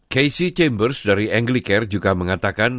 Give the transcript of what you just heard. casey chambers dari anglicare juga mengatakan